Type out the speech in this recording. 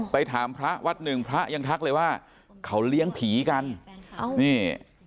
ไปถามพระวัดหนึ่งพระยังทักเลยว่าเขาเลี้ยงผีกันนี่